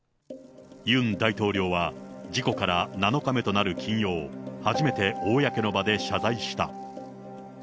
ユン大統領は事故から７日目となる金曜、初めて公の場で謝罪した。